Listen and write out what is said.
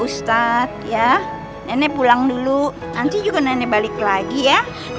ustadz ya nenek pulang dulu nanti juga nenek balik lagi ya